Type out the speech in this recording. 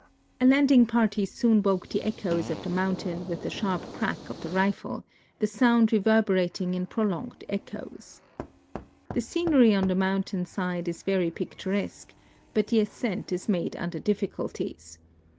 A landing party soon woke the echoes of the moun tain with the sharp crack of the rifle, the sound reverberating in prolonged echoes. The scenery on the mountain side is very picturesque, but the ascent is made under difficulties.